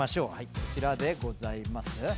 こちらでございます。